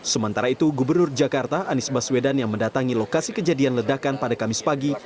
sementara itu gubernur jakarta anies baswedan yang mendatangi lokasi kejadian ledakan pada kamis pagi